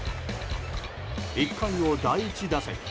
１回の第１打席。